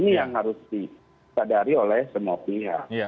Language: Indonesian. ini yang harus disadari oleh semua pihak